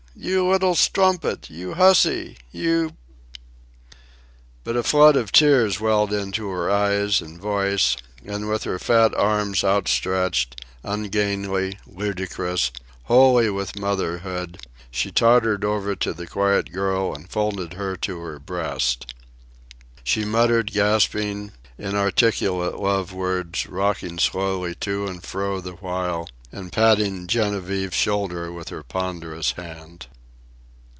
You liddle strumpet! You hussy! You " But a flood of tears welled into her eyes and voice, and with her fat arms outstretched, ungainly, ludicrous, holy with motherhood, she tottered over to the quiet girl and folded her to her breast. She muttered gasping, inarticulate love words, rocking slowly to and fro the while, and patting Genevieve's shoulder with her ponderous hand.